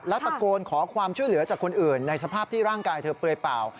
และตะโกนขอความช่วยเหลือจากคนอื่นในสภาพที่ร่างกายเธอเปลือยเปล่า